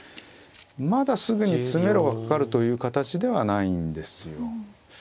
まだすぐに詰めろがかかるという形ではないんですよ。